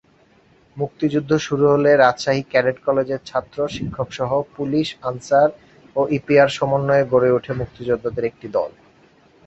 মুক্তিযুদ্ধ শুরু হলে রাজশাহী ক্যাডেট কলেজের ছাত্র-শিক্ষকসহ পুলিশ-আনসার ও ইপিআর সমন্বয়ে গড়ে ওঠে মুক্তিযোদ্ধাদের একটি দল।